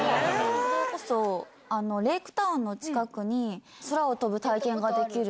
それこそ、レイクタウンの近くに、空を飛ぶ体験ができる。